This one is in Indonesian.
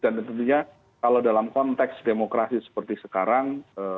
dan tentunya kalau dalam konteks demokrasi seperti sekarang